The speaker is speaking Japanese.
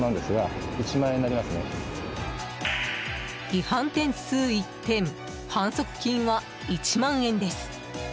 違反点数１点反則金は１万円です。